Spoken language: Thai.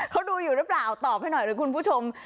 เขาดูอยู่หรือเปล่าตอบให้หน่อยหรือคุณผู้ชม